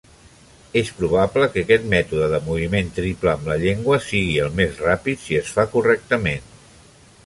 És probable que aquest mètode de moviment triple amb la llengua sigui el més ràpid si es fa correctament.